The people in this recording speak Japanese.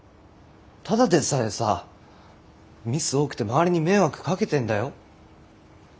ただでさえさミス多くて周りに迷惑かけてんだよ。